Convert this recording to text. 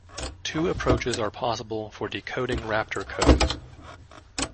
Two approaches are possible for decoding raptor codes.